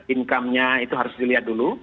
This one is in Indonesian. income nya itu harus dilihat dulu